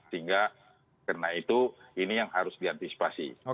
sehingga karena itu ini yang harus diantisipasi